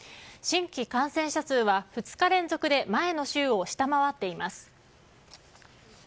新規感染者数は２日連続で前の週を下回っています。